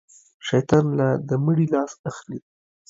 شيطان لا د مړي لاس اخلي.